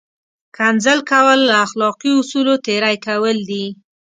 کنځل کول له اخلاقي اصولو تېری کول دي!